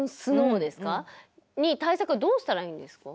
に対策はどうしたらいいんですか？